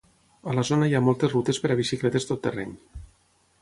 A la zona hi ha moltes rutes per a bicicletes tot terreny.